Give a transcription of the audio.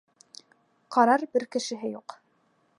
Ҡарар бер кешеһе юҡ.